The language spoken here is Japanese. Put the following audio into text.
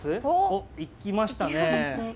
おっ行きましたね。